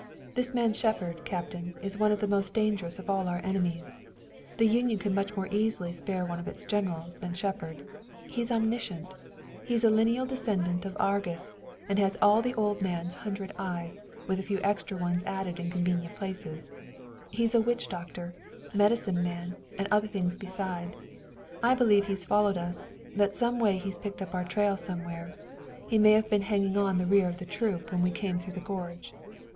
"This man Shepard, Captain, is one of the most dangerous of all our enemies. The Union could much more easily spare one of its generals than Shepard. He's omniscient. He's a lineal descendant of Argus, and has all the old man's hundred eyes, with a few extra ones added in convenient places. He's a witch doctor, medicine man, and other things beside. I believe he's followed us, that some way he's picked up our trail somewhere. He may have been hanging on the rear of the troop when we came through the gorge."